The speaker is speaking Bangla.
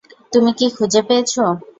তুমি কি খুঁজে পেয়েছ?